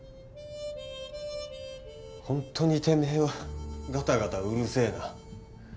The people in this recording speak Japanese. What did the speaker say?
ほんとにてめえはガタガタうるせぇな。